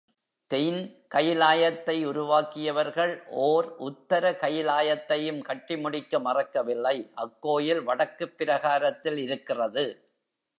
தென் கயிலாயத்தை உருவாக்கியவர்கள் ஓர் உத்தர கயிலாயத்தையும் கட்டி முடிக்க மறக்கவில்லை அக்கோயில் வடக்குப் பிரகாரத்தில் இருக்கிறது.